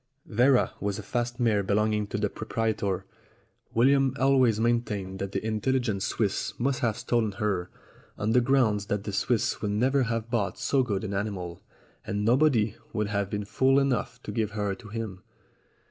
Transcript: Vera was a fast mare belonging to the proprietor. William always maintained that the intelligent Swiss must have stolen her, on the grounds that the Swiss would never have bought so good an animal, and nobody would have been fool enough to give her to him.